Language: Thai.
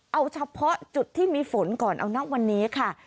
เอาเฉพาะจุดที่มีฝนก่อนเอานะวันนี้ค่ะ